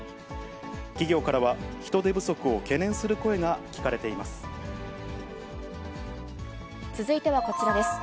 企業からは、人手不足を懸念する続いてはこちらです。